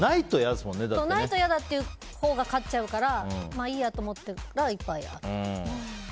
ないと嫌ってほうが勝っちゃうからまあいいやと思ったら、いっぱい。